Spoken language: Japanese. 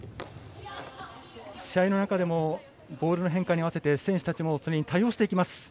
試合の中でもボールの変化に合わせて選手たちもそれに対応していきます。